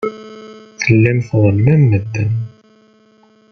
Tellam tḍellmem medden.